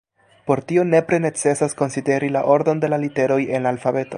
Por tio nepre necesas konsideri la ordon de la literoj en la alfabeto.